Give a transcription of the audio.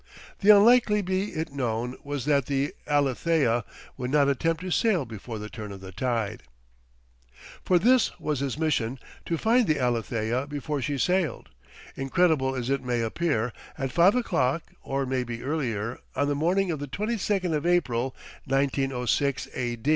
The unlikely, be it known, was that the Alethea would not attempt to sail before the turn of the tide. For this was his mission, to find the Alethea before she sailed. Incredible as it may appear, at five o'clock, or maybe earlier, on the morning of the twenty second of April, 1906, A.